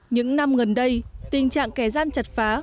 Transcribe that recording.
những năm gần đây tình trạng kẻ gian chặt phá